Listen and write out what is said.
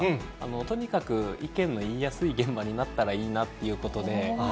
とにかく意見の言いやすい現場になったらいいなということで。